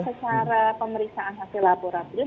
secara pemeriksaan hasil laboratorium